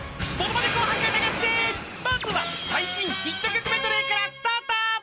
［まずは最新ヒット曲メドレーからスタート］